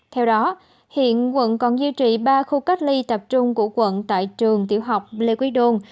theo đó hiện quận còn duy trì ba khu cách ly tập trung của quận tại trường tiểu học lê quý đôn